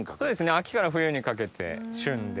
秋から冬にかけて旬で。